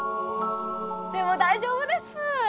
でも大丈夫です。